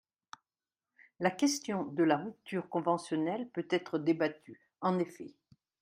La question de la rupture conventionnelle peut être débattue, En effet